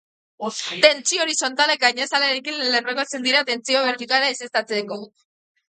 Tentsio horizontalak gainazalarekin lerrokatzen dira tentsio bertikala ezeztatzeko.